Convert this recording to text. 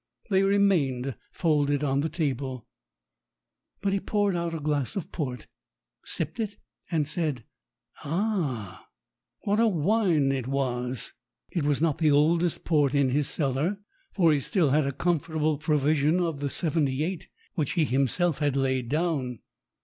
They remained folded on the table; but he poured out a glass of port, sipped it, and said, "Ah h !" What a wine it was ! It was not the oldest port in his cellar, for he still had a comfortable provision of the '78 which he him self had laid down.